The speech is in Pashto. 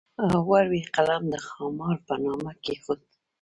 ور وې قلم د خامار په نامه کېښود.